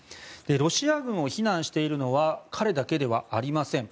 ロシア軍を非難しているのは彼だけではありません。